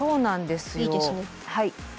いいですね。